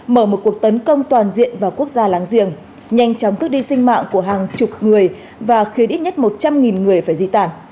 mở một cuộc tấn công toàn diện vào quốc gia láng giềng nhanh chóng cướp đi sinh mạng của hàng chục người và khiến ít nhất một trăm linh người phải di tản